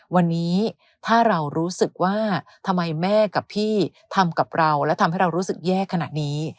วันนี้ถ้าเรารู้สึกว่าทำไมแม่กับพี่ทำกับเราและทำให้เรารู้สึกแย่ขนาดนี้